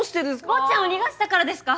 坊っちゃんを逃がしたからですか？